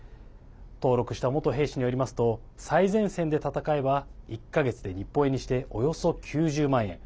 登録した元兵士によりますと最前線で戦えば１か月で日本円にしておよそ９０万円。